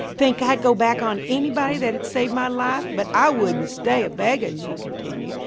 "Think I'd go back on anybody that had saved my life? But I wouldn't stay a beggah," she continued.